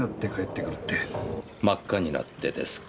真っ赤になってですか。